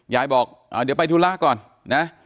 ยายบอกเดี๋ยวไปธุระก่อนนะ